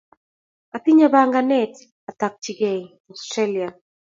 Atinye panganet atakchigei Australia.